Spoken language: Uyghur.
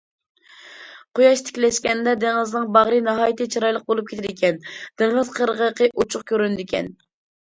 قۇياش تىكلەشكەندە دېڭىزنىڭ باغرى ناھايىتى چىرايلىق بولۇپ كېتىدىكەن، دېڭىز قىرغىقى ئوچۇق كۆرۈنىدىكەن.